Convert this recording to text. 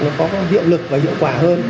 nó có hiệu lực và hiệu quả hơn